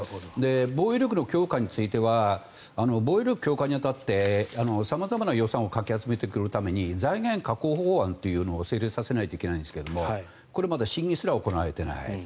防衛力の強化については防衛力強化に当たって様々な予算をかき集めてくるために財源確保法案というのを成立させなきゃいけないんですがこれはまだ審議すら行われていない。